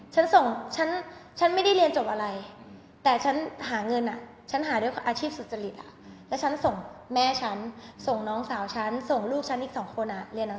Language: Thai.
ฉันส่งฉันไม่ได้เรียนจบอะไรแต่ฉันหาเงินอ่ะ